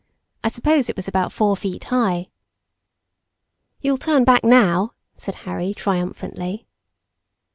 I suppose it was about four feet high. "You'll turn back now," said Harry triumphantly.